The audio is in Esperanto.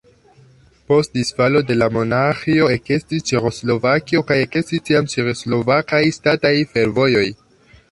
Post disfalo de la monarĥio ekestis Ĉeĥoslovakio kaj ekestis tiam Ĉeĥoslovakaj ŝtataj fervojoj.